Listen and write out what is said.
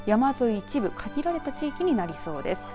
一部限られた地域になりそうです。